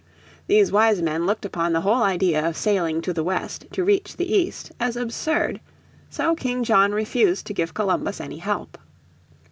These wise men looked upon the whole idea of sailing to the west to reach the east as absurd. So King John refused to give Columbus any help.